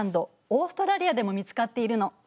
オーストラリアでも見つかっているの。